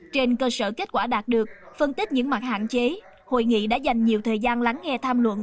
trên cơ sở kết quả đạt được phân tích những mặt hạn chế hội nghị đã dành nhiều thời gian lắng nghe tham luận